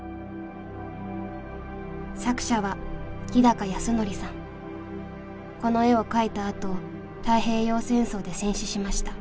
作者はこの絵を描いたあと太平洋戦争で戦死しました。